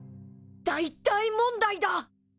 大大問題だ！